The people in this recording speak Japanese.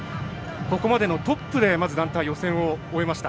ここまでのトップでまず、団体予選を終えました。